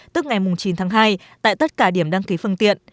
tức ngày chín tháng hai tại tất cả điểm đăng ký phương tiện